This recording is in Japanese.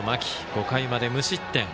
５回まで無失点。